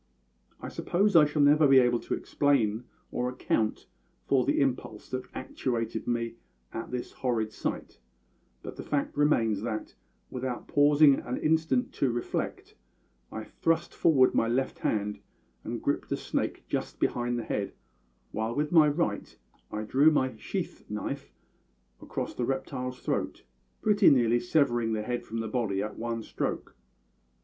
I suppose I shall never be able to explain or account for the impulse that actuated me at this horrid sight, but the fact remains that, without pausing an instant to reflect, I thrust forward my left hand and gripped the snake just behind the head, while with my right I drew my sheath knife across the reptile's throat, pretty nearly severing the head from the body at one stroke.